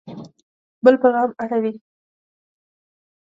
بل په غم اړوي